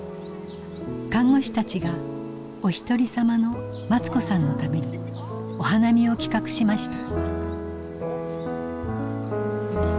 看護師たちがおひとりさまのマツ子さんのためにお花見を企画しました。